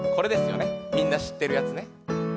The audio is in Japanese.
みんなしってるやつね。